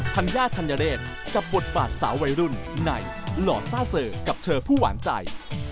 ธัญญาธัญเดชกับบทบาทสาววัยรุ่นในหล่อซ่าเซอร์กับเธอผู้หวานใจ